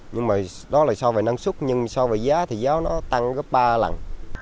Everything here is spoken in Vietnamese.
nhưng mà đó là so với năng suất nhưng so với giá thì giá nó tăng gấp ba lần